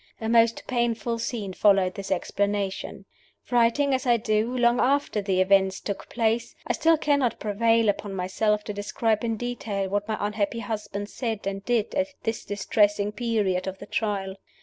A most painful scene followed this explanation. Writing, as I do, long after the events took place, I still cannot prevail upon myself to describe in detail what my unhappy husband said and did at this distressing period of the Trial.